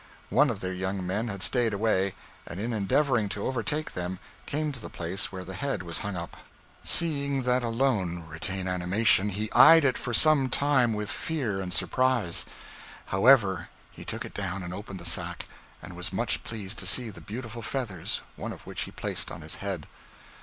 One of their young men had stayed away, and, in endeavoring to overtake them, came to the place where the head was hung up. Seeing that alone retain animation, he eyed it for some time with fear and surprise. However, he took it down and opened the sack, and was much pleased to see the beautiful feathers, one of which he placed on his head.